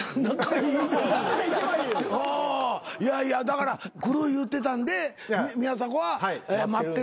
いやいやだから来る言うてたんで宮迫は待ってる。